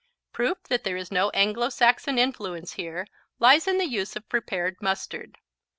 Proof that there is no Anglo Saxon influence here lies in the use of prepared mustard.